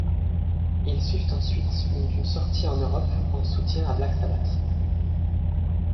Ils suivent ensuite d'une tournée en Europe en soutien à Black Sabbath.